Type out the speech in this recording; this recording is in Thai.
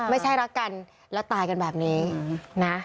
ไม่ใช่รักกันแล้วตายกันแบบนี้นะ